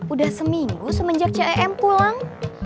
udah seminggu semenjak cem pulang